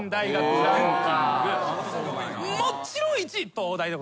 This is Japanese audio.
もちろん１位東大。